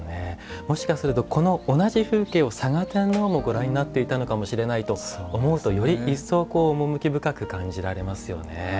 もしかするとこの同じ風景も嵯峨天皇もご覧になっていたのかもしれないと思うとより一層趣深く感じられますよね。